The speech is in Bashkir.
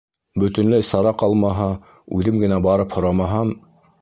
— Бөтөнләй сара ҡалмаһа, үҙем генә барып һорамаһам.